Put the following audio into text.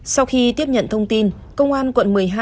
sau khi tiếp nhận thông tin công an quận một mươi hai